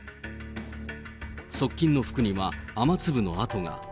側近の服には雨粒の跡が。